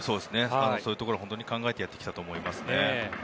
そういうところ本当に考えてやってきたと思いますね。